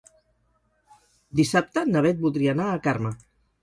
Dissabte na Bet voldria anar a Carme.